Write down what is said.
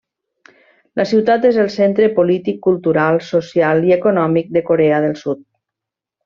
La ciutat és el centre polític, cultural, social i econòmic de Corea del Sud.